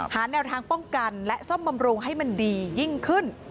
แนวทางป้องกันและซ่อมบำรุงให้มันดียิ่งขึ้น